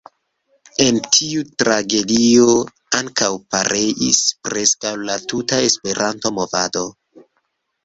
En tiu tragedio ankaŭ pereis preskaŭ la tuta Esperanto-movado.